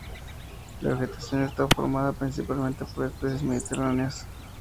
La vegetación está formada principalmente por especies mediterráneas.